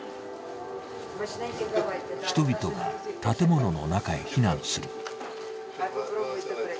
人々が建物の中へ避難する。